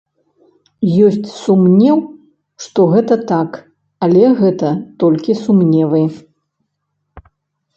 Ёсць сумнеў, што гэта так, але гэта толькі сумневы.